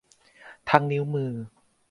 ทั้งนิ้วมือ